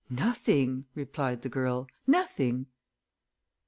"Nothing!" replied the girl. "Nothing!"